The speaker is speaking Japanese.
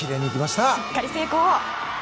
しっかり成功！